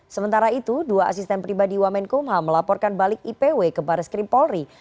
sementara itu dua asisten pribadi wamenkumham melaporkan balik ipw ke baris krimpolri